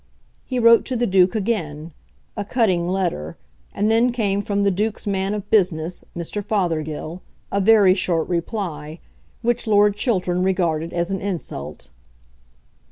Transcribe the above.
He wrote to the Duke again, a cutting letter; and then came from the Duke's man of business, Mr. Fothergill, a very short reply, which Lord Chiltern regarded as an insult.